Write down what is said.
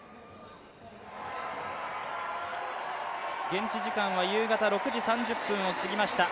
現地時間は夕方６時３０分を過ぎました